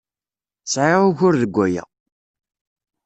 Sɛiɣ ugur deg waya.